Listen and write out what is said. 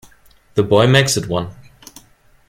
The boy makes it one.